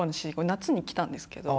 夏に来たんですけど。